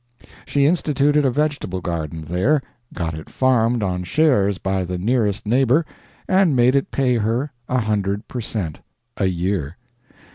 She instituted a vegetable garden there, got it farmed on shares by the nearest neighbor, and made it pay her a hundred per cent. a year.